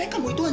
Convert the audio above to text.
menurut lu mas